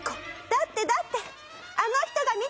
「だってだってあの人が見てるんだもん！」。